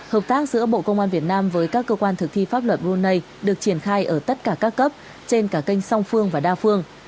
hợp tác giữa bộ công an việt nam với các cơ quan thực thi pháp luật brunei được triển khai ở tất cả các cấp trên cả kênh song phương và đa phương